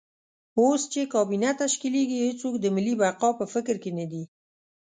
اوس چې کابینه تشکیلېږي هېڅوک د ملي بقا په فکر کې نه دي.